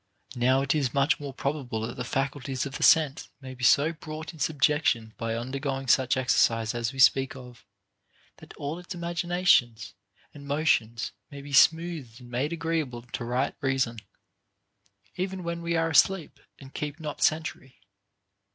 Now it is much more probable that the faculties of the sense may be so brought in subjection by undergoing such exercise as we speak of, that all its imag inations and motions may be smoothed and made agreeable to right reason, even when we are asleep and keep not sen try.